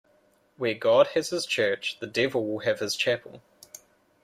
Where God has his church, the devil will have his chapel.